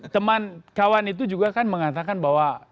teman kawan itu juga kan mengatakan bahwa